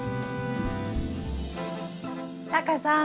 タカさん